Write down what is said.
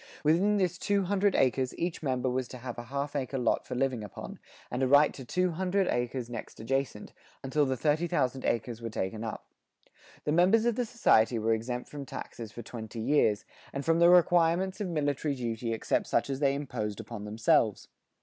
Within this two hundred acres each member was to have a half acre lot for living upon, and a right to two hundred acres next adjacent, until the thirty thousand acres were taken up. The members of the society were exempt from taxes for twenty years, and from the requirements of military duty except such as they imposed upon themselves.